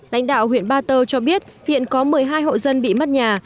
lãnh đạo huyện ba tơ cho biết hiện có một mươi hai hộ dân bị mất nhà